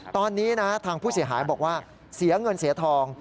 ตอนนี้นะทางผู้เสียหายบอกว่าเสียเงินเสียทอง